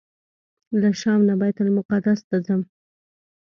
له شام نه بیت المقدس ته ځم.